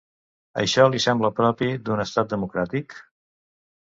Això li sembla propi d’un estat democràtic?